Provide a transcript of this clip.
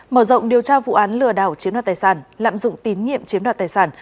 mở rộng điều tra vụ án lừa đảo chiếm đoạt tài sản lạm dụng tín nhiệm chiếm đoạt tài sản